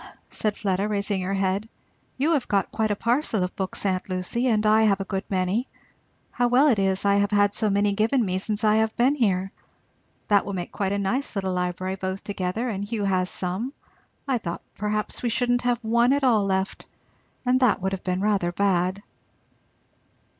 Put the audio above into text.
said Fleda raising her head, "you have got quite a parcel of books, aunt Lucy, and I have a good many how well it is I have had so many given me since I have been here! That will make quite a nice little library, both together, and Hugh has some; I thought perhaps we shouldn't have one at all left, and that would have been rather bad."